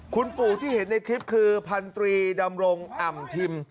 คุณปู่ที่เห็นในคลิปคือพันธรีดำรงอ่ำทิม